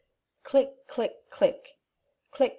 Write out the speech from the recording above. Click ! click ! click !— click